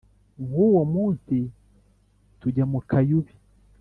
nk'uwo munsi tujya mu kayubi,